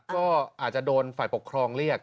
ก็อาจจะโดนฝ่ายปกครองเรียก